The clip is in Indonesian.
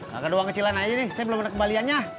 gak ada uang kecilan aja nih saya belum ada kembaliannya